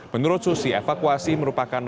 menurut susi evakuasi merupakan